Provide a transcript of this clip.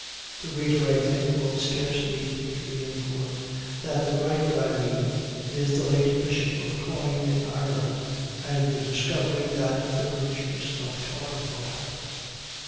The reader, I think, will scarce need to be informed that the writer I mean is the late bishop of Cloyne, in Ireland, and the discovery that of the virtues of tar water.